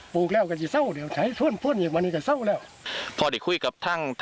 เป็นปุ๋ยมันเหรอครับ